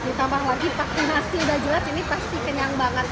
ditambah lagi vaksinasi udah jelas ini pasti kenyang banget